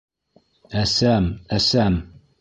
Әсәм, әсәм!